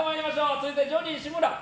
続いて、ジョニー志村。